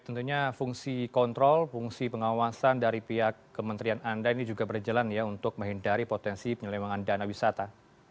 jadi fungsi kontrol fungsi pengawasan dari pihak kementerian anda ini juga berjalan ya untuk menghindari potensi penyelewangan dana wisata